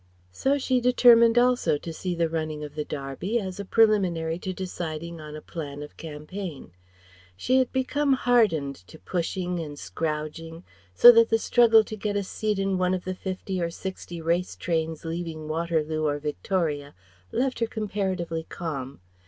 So she determined also to see the running of the Derby, as a preliminary to deciding on a plan of campaign. She had become hardened to pushing and scrouging, so that the struggle to get a seat in one of the fifty or sixty race trains leaving Waterloo or Victoria left her comparatively calm.